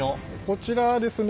こちらですね